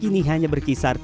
kini hanya berkisar tiga rupiah